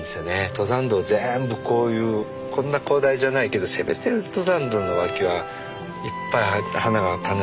登山道全部こういうこんな広大じゃないけどせめて登山道の脇はいっぱい花が楽しめる。